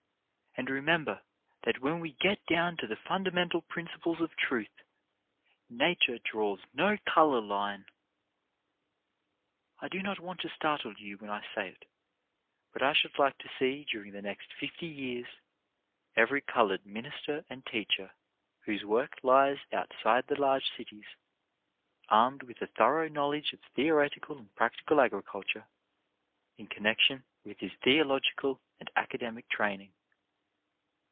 And remember that when we get down to the fundamental principles of truth, nature draws no colour line. I do not want to startle you when I say it, but I should like to see during the next fifty years every coloured minister and teacher, whose work lies outside the large cities, armed with a thorough knowledge of theoretical and practical agriculture, in connection with his theological and academic training.